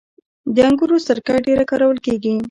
د انګورو سرکه ډیره کارول کیږي.